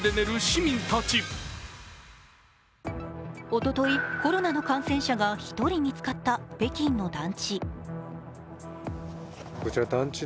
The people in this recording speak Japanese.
おととい、コロナの感染者が１人見つかった北京の団地。